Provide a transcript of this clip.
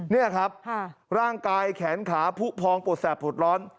นี่ครับร่างกายแขนขาผู้พองปวดแสบปวดร้อน